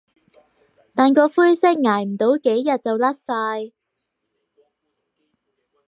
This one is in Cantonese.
但個灰色捱唔到幾日就甩晒